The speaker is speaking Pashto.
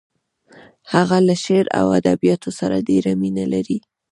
هغه له شعر او ادبیاتو سره ډېره مینه لرله